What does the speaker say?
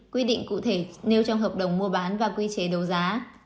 quy định cụ thể nêu trong hợp đồng mua bán và quy chế đấu giá